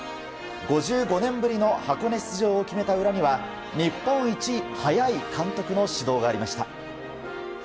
５５年ぶりの箱根出場を決めた裏には日本一速い監督の指導がありました。